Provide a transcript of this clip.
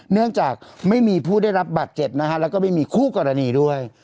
เนื่องจากไม่มีผู้ได้รับบัตรเจ็บนะฮะแล้วก็ไม่มีคู่กรณีด้วย